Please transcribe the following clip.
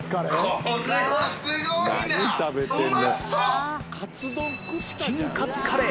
これはすごいな。